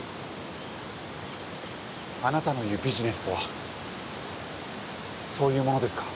あなたの言うビジネスとはそういうものですか？